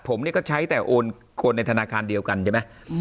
ผมเนี่ยก็ใช้แต่โอนคนในธนาคารเดียวกันใช่ไหม